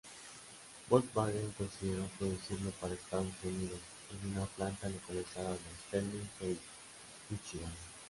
Volkswagen consideró producirlo para Estados Unidos en una planta localizada en Sterling Heights, Míchigan.